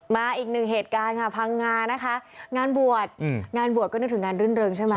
มาอีกหนึ่งเหตุการณ์ภังงานนะคะงานบวชงานบวชก็นึกถึงงานเริ่มเริ่มใช่มั้ย